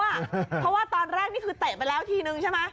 เพราะว่าตอนแรกนี่คือเตะไปแล้วทีนึงใช่ไหม